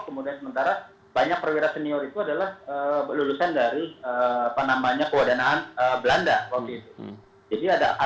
kemudian sementara banyak perwira senior itu adalah lulusan dari apa namanya kewadanaan belanda waktu itu